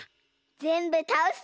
ぜんぶたおすぞ！